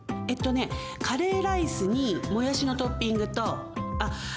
えっとねカレーライスにもやしのトッピングとあっ